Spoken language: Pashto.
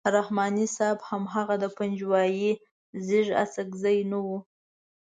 رحماني صاحب هماغه د پنجوایي زېږ اڅکزی نه وو.